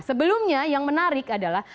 sebelumnya yang menarik adalah